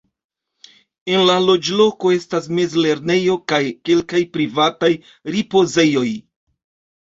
En la loĝloko estas mez-lernejo kaj kelkaj privataj ripozejoj.